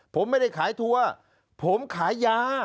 ผมไม่ได้ขายทัวร์ผมขายยา